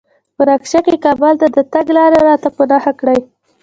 په نقشه کې کابل ته د تګ لار راته په نښه کړئ